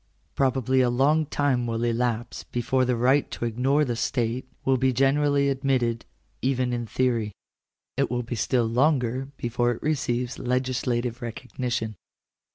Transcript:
Pro bably a long time will elapse before the right to ignore the state will be generally admitted, even in theory. It will be still longer before it receives legislative recognition.